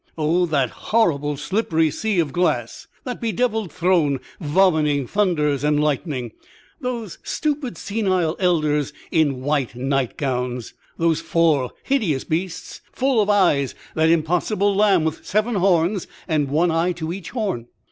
O, that horrible slippery sea of glass, that bedevilled throne vomiting thunders and lightning, those stupid senile elders in white nightgowns, those four hideous beasts full of eyes, that impossible lamb with seven horns and one eye to each horn!